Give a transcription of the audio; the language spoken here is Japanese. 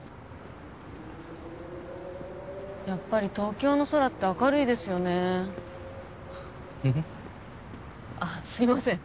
やっぱり東京の空って明るいですよねうん？